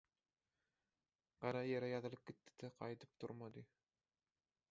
Gara ýere ýazylyp gitdi-de gaýdyp turmady.